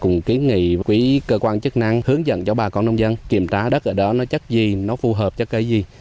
cùng ký nghị quý cơ quan chức năng hướng dẫn cho bà con nông dân kiểm tra đất ở đó nó chất gì nó phù hợp chất cái gì